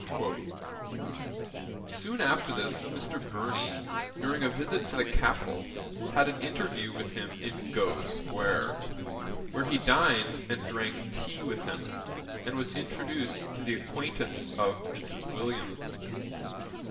'Soon after this, Mr. Burney, during a visit to the capital, had an interview with him in Gough square, where he dined and drank tea with him, and was introduced to the acquaintance of Mrs. Williams.